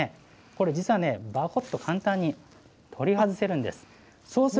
これ、実はね、ばこっと簡単に取り外せるんです。